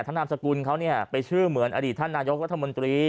ท่านนามสกุลเขาเนี่ยไปชื่อเหมือนอดีตท่านนายกวัฒนมนตรี